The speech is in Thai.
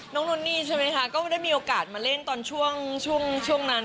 น้องนนนี่ใช่ไหมค่ะก็ได้มีโอกาสมาเล่นตอนช่วงช่วงช่วงนั้น